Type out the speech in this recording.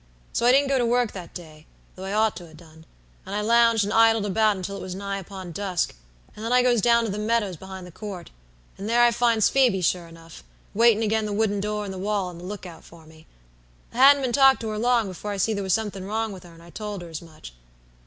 So I didn't go to work that day, though I ought to ha' done, and I lounged and idled about until it was nigh upon dusk, and then I goes down to the meadows behind the Court, and there I finds Phoebe sure enough, waitin' agen the wooden door in the wall, on the lookout for me. "I hadn't been talkin' to her long before I see there was somethink wrong with her and I told her as much.